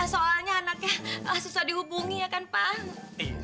soalnya anaknya susah dihubungi ya kan pak